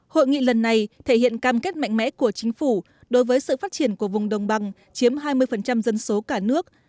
hội nghị lần này thể hiện cam kết mạnh mẽ của chính phủ đối với sự phát triển của vùng đồng bằng chiếm hai mươi dân số cả nước